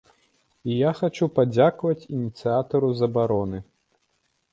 І я хачу падзякаваць ініцыятару забароны.